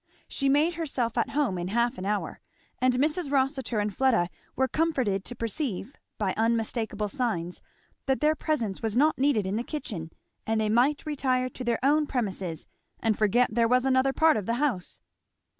She made herself at home in half an hour; and Mrs. Rossitur and Fleda were comforted to perceive, by unmistakeable signs, that their presence was not needed in the kitchen and they might retire to their own premises and forget there was another part of the house.